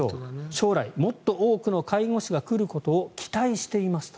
将来もっと多くの介護士が来ることを期待していますと。